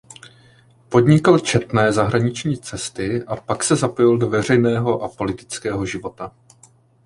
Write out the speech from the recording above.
Podnikl četné zahraniční cesty a pak se zapojil do veřejného a politického života.